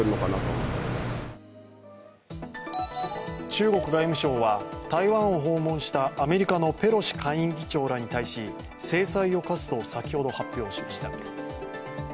中国外務省は台湾を訪問したアメリカのペロシ下院議長らに対し、制裁を科すと先ほど発表しました。